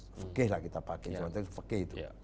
fakih lah kita pakai